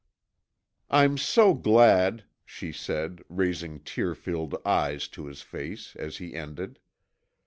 "I'm so glad," she said, raising tear filled eyes to his face as he ended.